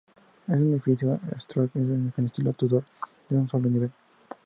Es un edificio construido con estilo Tudor de un solo nivel.